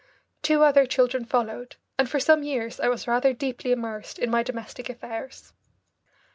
Two other children followed, and for some years I was rather deeply immersed in my domestic affairs.